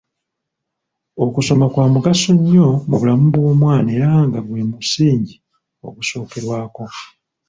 Okusoma kwa mugaso nnyo mu bulamu bw’omwana era nga gwe musingi ogusookerwako.